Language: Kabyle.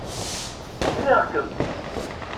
Sriɣ-kem.